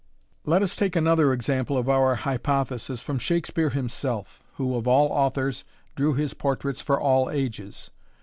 Let us take another example of our hypothesis from Shakspeare himself, who, of all authors, drew his portraits for all ages.